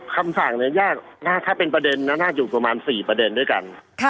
คำสั่งเนี่ยยากถ้าเป็นประเด็นนั้นน่าจะอยู่ประมาณ๔ประเด็นด้วยกัน